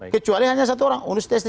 kecuali hanya satu orang